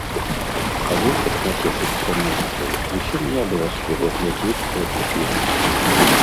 Але, каб нацешыцца музыкай, зусім не абавязкова глядзець гэты фільм.